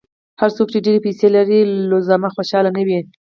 هر څوک چې ډېرې پیسې لري، لزوماً خوشاله نه وي.